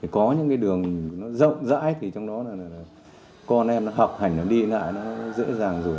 có những cái đường nó rộng rãi thì trong đó là con em nó học hành nó đi lại nó dễ dàng rồi